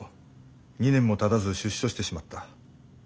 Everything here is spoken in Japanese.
２年もたたず出所してしまった。